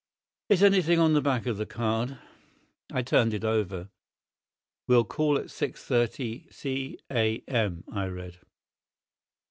"Is anything on the back of the card?" I turned it over. "Will call at 6.30—C.A.M.," I read.